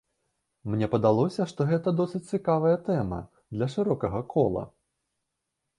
Мне падалося, што гэта досыць цікавая тэма, для шырокага кола.